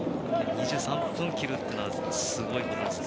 ２３分を切るというのはすごいことですね。